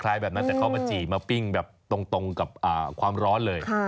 แบบนั้นแต่เขามาจีบมาปิ้งแบบตรงกับความร้อนเลย